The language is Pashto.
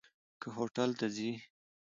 که هوټل ته ځي.